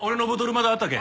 まだあったけ？